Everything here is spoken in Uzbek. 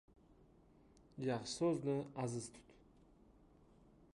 — Yaxshi so‘zni aziz tut.